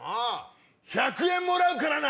１００円もらうからな！